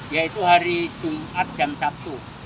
yaitu hari jumat jam sabtu